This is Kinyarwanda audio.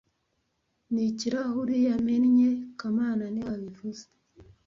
Ni ikirahure yamennye kamana niwe wabivuze